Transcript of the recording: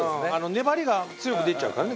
粘りが強く出ちゃうからね。